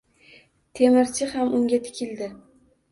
Temirchi ham unga tikildi.